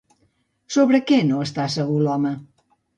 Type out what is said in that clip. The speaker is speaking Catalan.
Sobre què no està segur l'home?